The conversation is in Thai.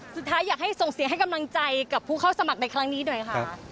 สุดท้ายอยากให้ส่งเสียงให้กำลังใจกับผู้เข้าสมัครในครั้งนี้หน่อยค่ะ